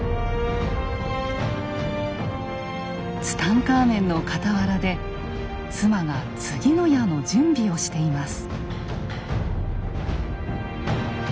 ツタンカーメンの傍らで妻が次の矢の準備をしています。